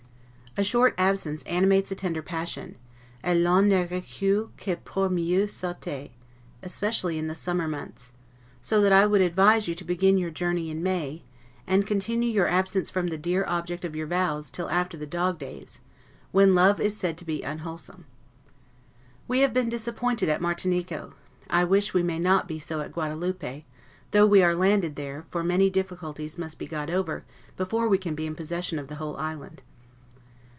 A short absence animates a tender passion, 'et l'on ne recule que pour mieux sauter', especially in the summer months; so that I would advise you to begin your journey in May, and continue your absence from the dear object of your vows till after the dog days, when love is said to be unwholesome. We have been disappointed at Martinico; I wish we may not be so at Guadaloupe, though we are landed there; for many difficulties must be got over before we can be in possession of the whole island.